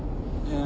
ああ。